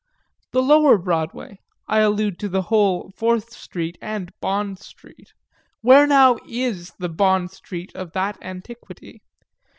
The lower Broadway I allude to the whole Fourth Street and Bond Street (where now is the Bond Street of that antiquity?)